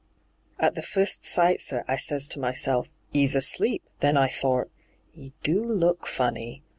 ' At the fust sight, sir, X ses to myself, " 'E's asleep "; then I thort, " 'E do look fanny."